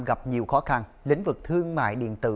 gặp nhiều khó khăn lĩnh vực thương mại điện tử